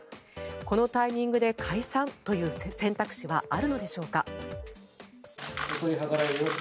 このタイミングで解散という選択肢はあるのでしょうか。